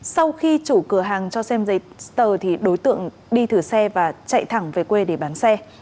sau khi chủ cửa hàng cho xem giấy tờ thì đối tượng đi thử xe và chạy thẳng về quê để bán xe